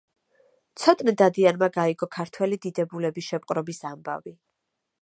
ცოტნე დადიანმა გაიგო ქართველი დიდებულების შეპყრობის ამბავი.